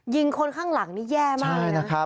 ยิงคนข้างหลังนี่แย่มากนะครับ